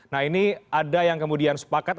nah ini ada yang kemudian sepakat